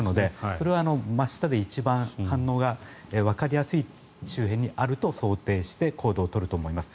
これは真下で一番反応がわかりやすい周辺にあると想定して行動を取ると思います。